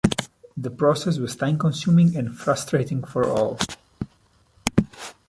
The process was time consuming and frustrating for all.